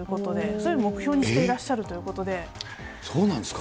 それを目標にしていらっしゃるとそうなんですか？